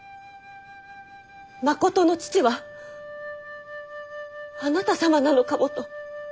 まことの父はあなた様なのかもと。